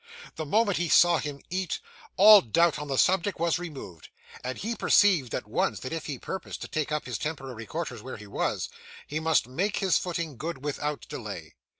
The moment he saw him eat, all doubt on the subject was removed, and he perceived at once that if he purposed to take up his temporary quarters where he was, he must make his footing good without delay.